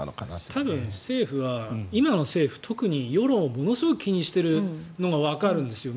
多分政府は今の政府、特に世論をものすごく気にしているのがわかるんですよ。